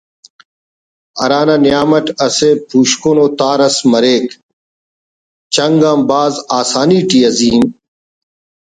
ہرا نا نیام اٹ اسہ ہشکنءُ تار اس مریک چنگ آ بھاز آسانی ٹی عظیم